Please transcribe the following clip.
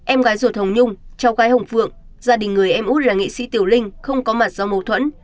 em gái ruột hồng nhung cháu gái hồng phượng gia đình người em út là nghệ sĩ tiểu linh không có mặt do mâu thuẫn